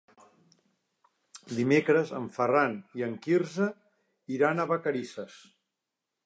Dimecres en Ferran i en Quirze iran a Vacarisses.